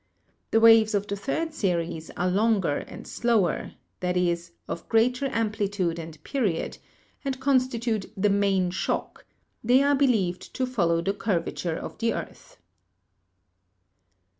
The waves of the third series are longer and slower — i.e., of greater amplitude and period — and constitute the "main shock"; they are believed to follow the curvature of the earth.